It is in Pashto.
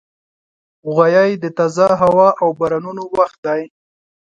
غویی د تازه هوا او بارانونو وخت دی.